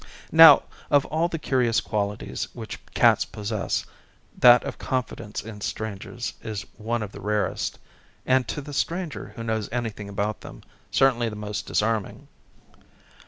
Now of all the curious qualities which cats possess, that of confidence in strangers is one of the rarest, and to the stranger who knows anything about them, certainly the most disarming.